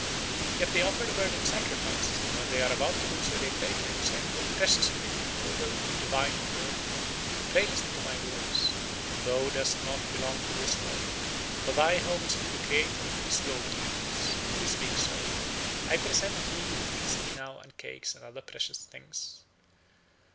Yet they offer the bird in sacrifice, and when they are about to do so they pray to him, saying: "O precious divinity, O thou divine bird, pray listen to my words. Thou dost not belong to this world, for thy home is with the Creator and his golden eagles. This being so, I present thee with these inao and cakes and other precious things.